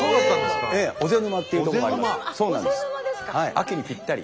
秋にぴったり。